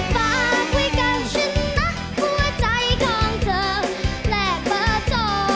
ฝากไว้กับฉันนะหัวใจของเธอแปลกเบอร์จอ